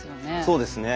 そうですね。